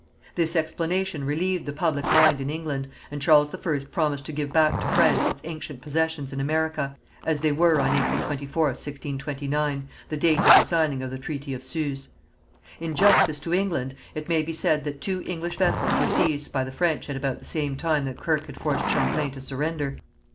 This explanation relieved the public mind in England, and Charles I promised to give back to France its ancient possessions in America, as they were on April 24th, 1629, the date of the signing of the Treaty of Suze. In justice to England it may be said that two English vessels were seized by the French at about the same time that Kirke had forced Champlain to surrender.